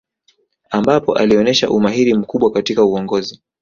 Ambapo alionesha umahiri mkubwa katika uongozi